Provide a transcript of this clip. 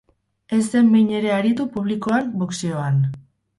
Ez zen behin ere aritu publikoan boxeoan.